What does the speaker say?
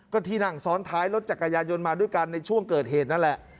ก็ที่นั่งซ้อนท้ายรถจักรยานยนต์มาด้วยกันในช่วงเกิดเหตุนั่นแหละ